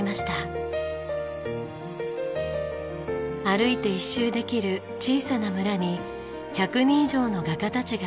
歩いて一周できる小さな村に１００人以上の画家たちが集結。